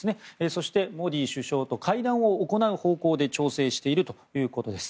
そして、モディ首相と会談を行う方向で調整しているということです。